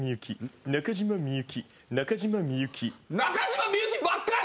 中島みゆきばっかり！